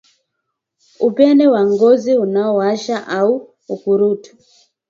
Upele wa Ngozi Unaowasha au Ukurutu